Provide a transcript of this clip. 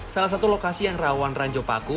salah satu lokasi yang rawan ranjau paku